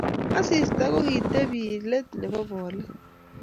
Asista kokibetyi let nebo boliik.